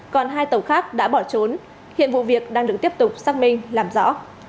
còn hai tàu khác đã bỏ trốn hiện vụ việc đang được tiếp tục xác minh làm rõ